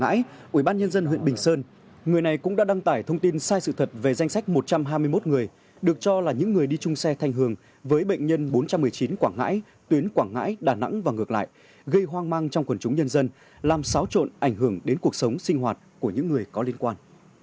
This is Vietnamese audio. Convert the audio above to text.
trước đó người này đã đăng tải thông tin sai sự thật về danh sách một trăm hai mươi một người được cho là những người đi chung xe thanh hường với bệnh nhân bốn trăm một mươi chín quảng ngãi tuyến quảng ngãi đà nẵng và ngược lại gây hoang mang trong quần chúng nhân bốn trăm một mươi chín người được cho là những người đi chung xe thanh hưởng đến cuộc sống sinh hoạt của những người có liên quan